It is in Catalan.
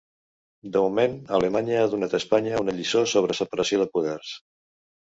De moment, Alemanya ha donat a Espanya una lliçó sobre separació de poders.